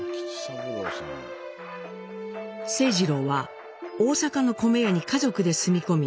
清二郎は大阪の米屋に家族で住み込み